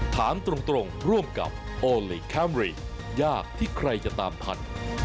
ถามตรงร่วมกับโอลี่คัมรี่ยากที่ใครจะตามทัน